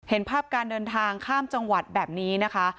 เห็นภาพการเดินทางข้ามจังหวัดแบบนี้นะคะ